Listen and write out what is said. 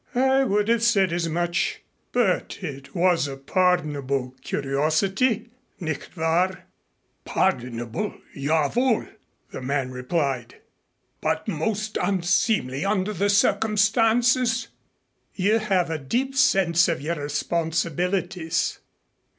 "I would have said as much. But it was a pardonable curiosity, nicht wahr?" "Pardonable, ja wohl," the man replied, "but most unseemly under the circumstances." "You have a deep sense of your responsibilities."